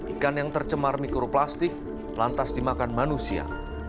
ikan yang tercemar mikroplastik lantas dimakan manusia